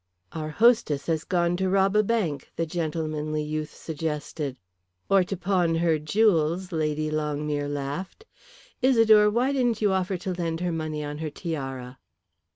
"Our hostess has gone to rob a bank," the gentlemanly youth suggested. "Or to pawn her jewels," Lady Longmere laughed. "Isidore, why didn't you offer to lend her money on her tiara?"